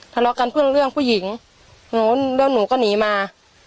ทะเลาะกันเพื่อเรื่องผู้หญิงหนูแล้วหนูก็หนีมา